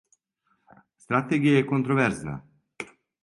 Стратегија је контроверзна.